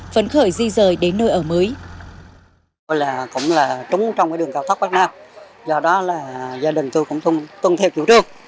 phấn khởi di rời đến nơi ở mới